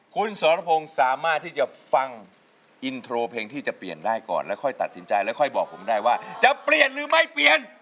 คุณสรพงศ์สามารถที่จะฟังอินโทรเพลงที่จะเปลี่ยนได้ก่อนแล้วค่อยตัดสินใจแล้วค่อยบอกผมได้ว่าจะเปลี่ยนหรือไม่เปลี่ยน